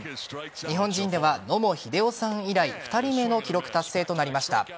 日本人では野茂英雄さん以来２人目の記録達成となりました。